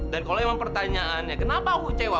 dan kalau emang pertanyaannya kenapa aku kecewa